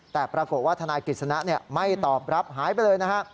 แต่ปรากฏว่าทนายกฤษณะไม่ตอบรับหายไปเลยนะฮะ